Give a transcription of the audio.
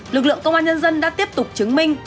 lực lượng công an nhân dân đã tiếp tục chứng minh